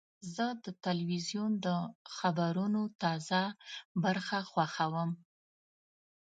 زه د تلویزیون د خبرونو تازه برخه خوښوم.